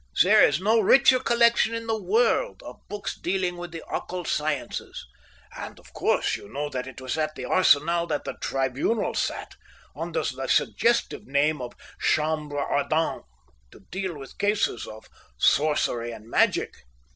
There is no richer collection in the world of books dealing with the occult sciences. And of course you know that it was at the Arsenal that the tribunal sat, under the suggestive name of chambre ardente, to deal with cases of sorcery and magic?"